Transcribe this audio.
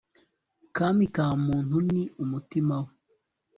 kami ka muntu ni umutima we